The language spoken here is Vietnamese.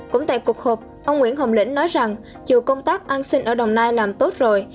cũng tại cuộc họp ông nguyễn hồng lĩnh nói rằng chiều công tác an sinh ở đồng nai làm tốt rồi